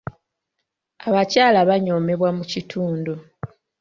Abakyala banyoomebwa mu kitundu.